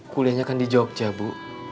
kuliahnya kan di jogja bu